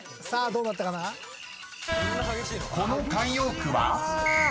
［この慣用句は？］